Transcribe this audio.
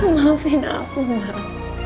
maafin aku mbak